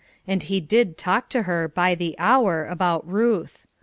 And he did talk to her, by the hour, about Ruth.